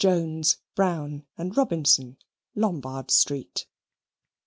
Jones, Brown, and Robinson, Lombard Street.